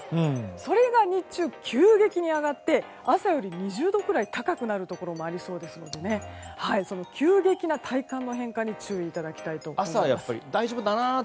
それが日中、急激に上がって朝より２０度ぐらい高くなるところがありそうで急激な体感の変化に注意いただきたいと思います。